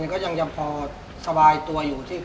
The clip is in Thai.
ก็ยังพอสบายตัวอยู่ที่